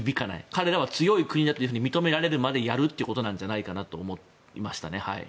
彼らは強い国だと認められるまでやるということなんじゃないかなと思いました。